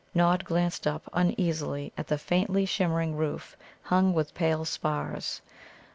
Nod glanced up uneasily at the faintly shimmering roof hung with pale spars.